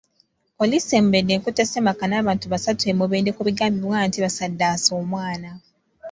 Poliisi e Mubende ekutte ssemaka n’abantu basatu e Mubende ku bigambibwa nti basaddaase omwana.